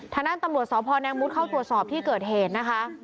ทางด้านตำรวจสพแนงมุดเข้าตรวจสอบที่เกิดเหตุนะคะ